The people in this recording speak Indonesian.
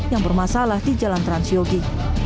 yang bermasalah di jalan transyogi